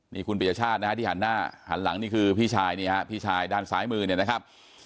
นี่คุณปียชาตินะฮะที่หันหน้าหันหลังนี่คือพี่ชายนี่ฮะพี่ชายด้านซ้ายมือเนี่ยนะครับ